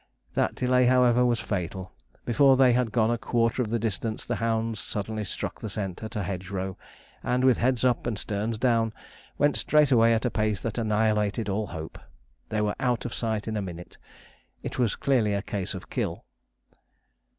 That delay, however, was fatal. Before they had gone a quarter of the distance the hounds suddenly struck the scent at a hedge row, and, with heads up and sterns down, went straight away at a pace that annihilated all hope. They were out of sight in a minute. It was clearly a case of kill.